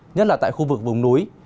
nhất là tại khu vực vùng núi